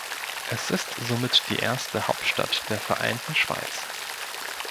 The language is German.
Es ist somit die erste Hauptstadt der vereinten Schweiz.